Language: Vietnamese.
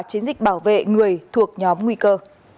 chiến dịch bảo vệ người thuộc nhóm nguy cơ